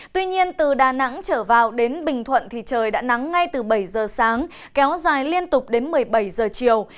tuy nhiên từ đà nẵng trở vào đến bình thuận thì trời đã nắng ngay từ bảy giờ sáng kéo dài liên tục đến một mươi bảy giờ chiều